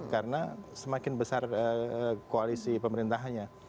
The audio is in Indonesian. karena semakin besar koalisi pemerintahnya